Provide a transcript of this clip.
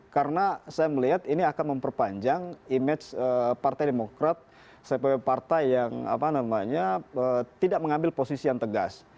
karena saya melihat ini akan memperpanjang image partai demokrat cpp partai yang tidak mengambil posisi yang tegas